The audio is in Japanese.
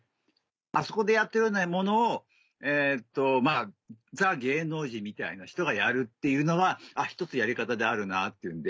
あそこでやってるようなものをザ芸能人みたいな人がやるっていうのは１つやり方であるなっていうんで。